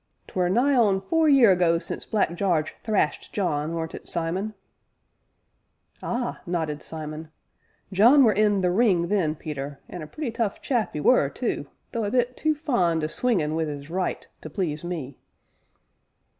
"'Twere nigh on four year ago since Black Jarge thrashed John, weren't it, Simon?" "Ah!" nodded Simon, "John were in 'The Ring' then, Peter, an' a pretty tough chap 'e were, too, though a bit too fond o' swingin' wi' 'is 'right' to please me."